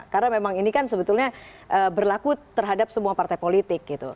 karena memang ini kan sebetulnya berlaku terhadap semua partai politik